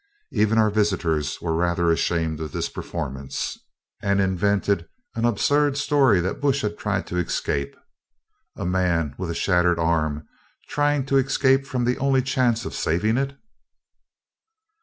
Even our visitors were rather ashamed of this performance, and invented an absurd story that Bush had tried to escape, a man with a shattered arm trying to escape from the only chance of saving it!